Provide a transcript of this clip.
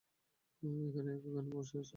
এখানে একা কেনো বসে আছিস?